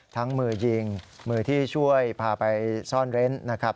มือยิงมือที่ช่วยพาไปซ่อนเร้นนะครับ